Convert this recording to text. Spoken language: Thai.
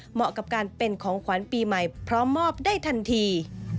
เหมาะกับการเป็นของขวัญปีใหม่พร้อมมอบได้ทันที